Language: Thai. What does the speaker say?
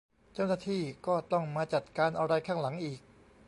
เจ้าหน้าที่ก็ต้องมาจัดการอะไรข้างหลังอีก